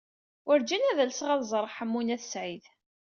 Werǧin ad alseɣ ad ẓreɣ Ḥemmu n At Sɛid.